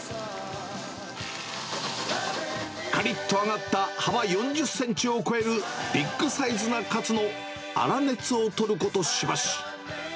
かりっと揚がった幅４０センチを超えるビッグサイズなカツの粗熱を取ることしばし。